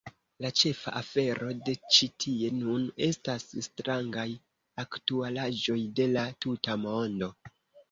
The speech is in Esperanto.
La ĉefa afero de Ĉi Tie Nun estas "strangaj aktualaĵoj de la tuta mondo.